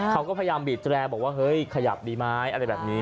เขาก็พยายามบีดแรร์บอกว่าเฮ้ยขยับดีไหมอะไรแบบนี้